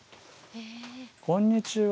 ・おっこんにちは。